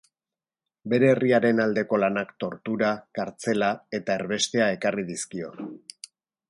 Bere herriaren aldeko lanak tortura, kartzela eta erbestea ekarri dizkio.